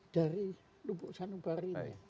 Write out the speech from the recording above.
dari lubuk sanubari ini